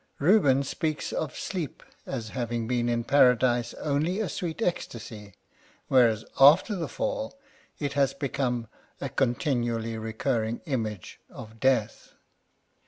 Reuben speaks of sleep as having been, in Paradise, only a sweet ecstasy ; whereas, after the Fall, it has become a continually recurring image of death.